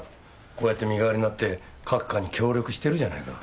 こうやって身代わりになって閣下に協力してるじゃないか。